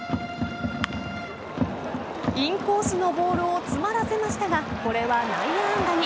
インコースのボールを詰まらせましたがこれは内野安打に。